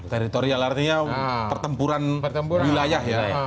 teritorial artinya pertempuran wilayah ya